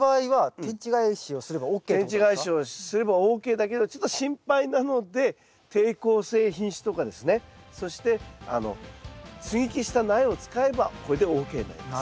天地返しをすればＯＫだけどちょっと心配なので抵抗性品種とかですねそして接ぎ木した苗を使えばこれでＯＫになります。